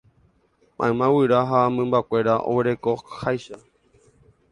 Mayma guyra ha mymbakuéra oguerekoháicha.